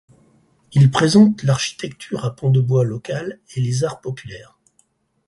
Il présente l'architecture à pans de bois locale et les arts populaires.